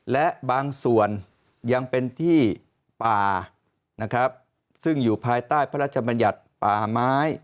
และบางส่วนยังเป็นที่ป่านะครับซึ่งอยู่ภายใต้พระราชบัญญัติป่าไม้